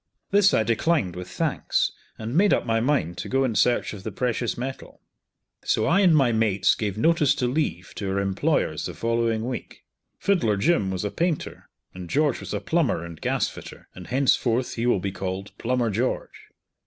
This I declined with thanks, and made up my mind to go in search of the precious metal. So I and my mates gave notice to leave to our employers the following week. Fiddler Jim was a painter, and George was a plumber and gas fitter, and henceforth he will be called "Plumber George."